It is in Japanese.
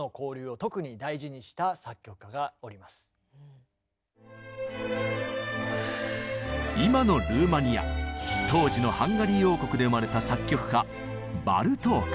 クラシックでも今のルーマニア当時のハンガリー王国で生まれた作曲家